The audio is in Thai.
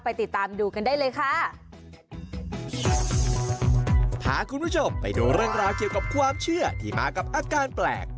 ไปติดตามดูกันได้เลยค่ะ